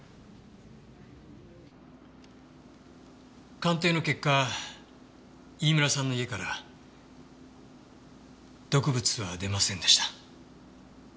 鑑定の結果飯村さんの家から毒物は出ませんでした。